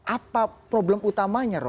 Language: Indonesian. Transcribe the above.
apa problem utamanya romo